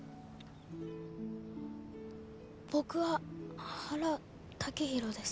僕は原剛洋です。